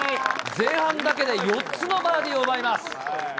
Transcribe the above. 前半だけで４つのバーディーを奪います。